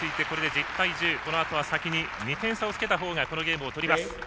このあとは先に２点差をつけたほうがこのゲームを取ります。